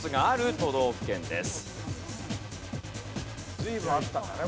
随分あったんだね